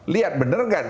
lihat bener gak